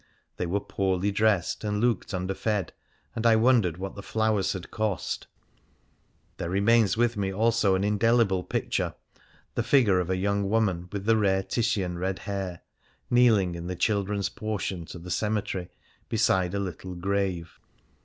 They were poorly dressed, and looked mider fed, and I wondered what the flowers had cost. 130 Fasts and Festivals There remains with me also as an indehble picture the figure of a young woman with the rare Titian red hair, kneeling in the children's portion to the cemetery beside a little grave.